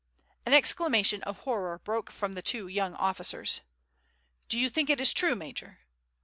An exclamation of horror broke from the two young officers. "Do you think it is true, major?"